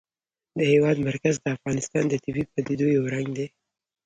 د هېواد مرکز د افغانستان د طبیعي پدیدو یو رنګ دی.